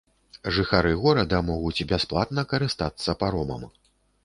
Жыхары горада могуць бясплатна карыстацца паромам.